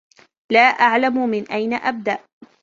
لا أعلم من أين أبدأ